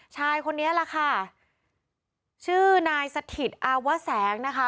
ชายคนนี้แหละค่ะชื่อนายสถิตอาวแสงนะคะ